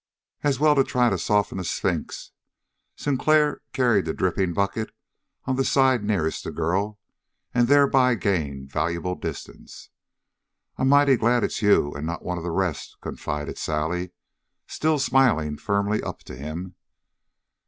As well try to soften a sphinx. Sinclair carried the dripping bucket on the side nearest the girl and thereby gained valuable distance. "I'm mighty glad it's you and not one of the rest," confided Sally, still smiling firmly up to him.